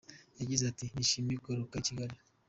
Yagize ati “Nishimiye kugaruka i Kigali.